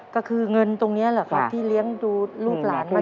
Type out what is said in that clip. ก็คือเงินตรงนี้แหละครับที่เลี้ยงดูลูกหลานมา